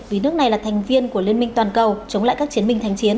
vì nước này là thành viên của liên minh toàn cầu chống lại các chiến binh thành chiến